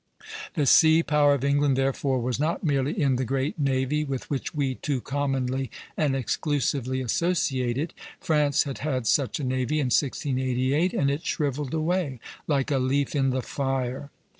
" The sea power of England therefore was not merely in the great navy, with which we too commonly and exclusively associate it; France had had such a navy in 1688, and it shrivelled away like a leaf in the fire.